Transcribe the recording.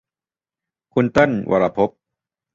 คุณเติ้ล วรภพ